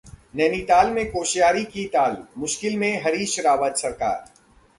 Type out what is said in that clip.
नैनीताल में कोश्यारी की ताल, मुश्किल में हरीश रावत सरकार